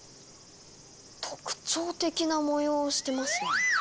特徴的な模様をしてますね。